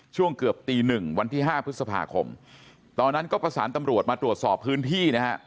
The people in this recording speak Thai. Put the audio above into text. ช่วงเกือบตีหนึ่งวันที่ห้าพฤษภาคมตอนนั้นก็ประสานตำรวจมาตรวจสอบพื้นที่นะฮะ